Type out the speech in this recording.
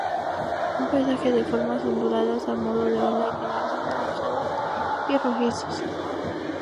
Un paisaje de formas onduladas a modo de ola y colores anaranjados y rojizos.